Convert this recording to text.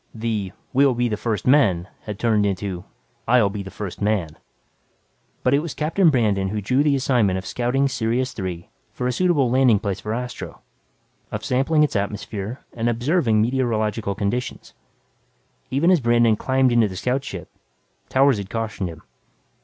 The "we'll be the first men" had turned into, "I'll be the first man." But it was Captain Brandon who drew the assignment of scouting Sirius Three for a suitable landing place for Astro, of sampling its atmosphere and observing meteorological conditions. Even as Brandon climbed into the scout ship, Towers had cautioned him.